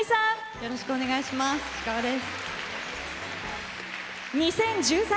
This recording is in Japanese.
よろしくお願いします。